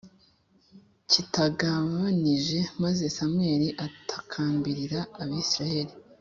Kitagabanije maze samweli atakambirira abisirayeli